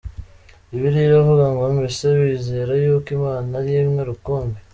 Bibiliya iravuga ngo" Mbese wizera y’uko Imana ari imwe rukumbi.